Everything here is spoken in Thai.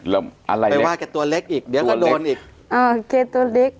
ไปวาดแกตัวเล็กอีกเดี๋ยวก็โดนอีก